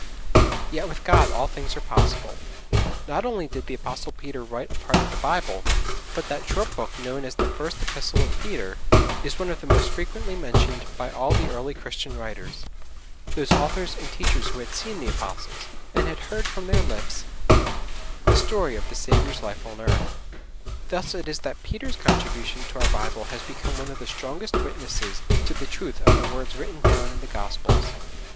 Yet with God all things are possible. Not only did the Apostle Peter write a part of the Bible, but that short book known as the 'First Epistle of Peter,' is one of the most frequently mentioned by all the earliest Christian writers those authors and teachers who had seen the Apostles, and had heard from their lips the story of the Saviour's life on earth. Thus it is that Peter's contribution to our Bible has become one of the strongest witnesses to the truth of the words written down in the Gospels.